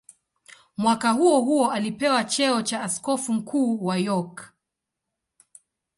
Mwaka huohuo alipewa cheo cha askofu mkuu wa York.